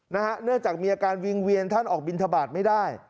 เนื่องจากมีอาการวิงเวียนท่านออกบินทบาทไม่ได้